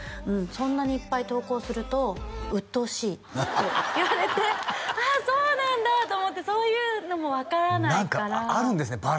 うんそんなにいっぱい投稿するとうっとうしいって言われてああそうなんだと思ってそういうのも分からないから何かあるんですね